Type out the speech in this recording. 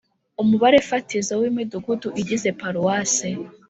Umubare fatizo w imidugudu igize paruwasi